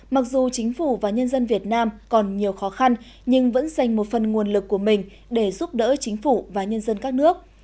mặc dù chính phủ và nhân dân việt nam còn nhiều khó khăn nhưng vẫn dành một phần nguồn lực của mình để giúp đỡ chính phủ và nhân dân các nước